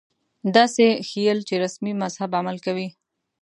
داسې ښييل چې رسمي مذهب عمل کوي